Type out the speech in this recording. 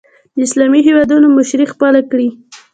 د اسلامي هېوادونو مشري خپله کړي